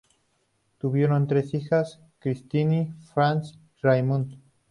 Tuvieron tres hijos, Christiane, Franz y Raimund.